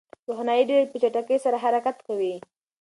روښنايي ډېر په چټکۍ سره حرکت کوي.